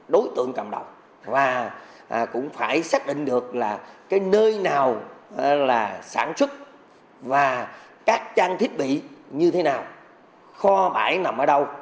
đối tượng cầm đầu và cũng phải xác định được là cái nơi nào là sản xuất và các trang thiết bị như thế nào kho bãi nằm ở đâu